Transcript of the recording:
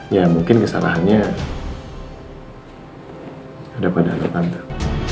ya mungkin kesalahannya ada pada anak anda